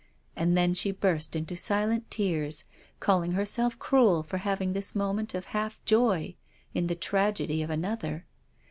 And then she burst into silent tears, calling herself cruel for having this moment of half joy in the tragedy of another.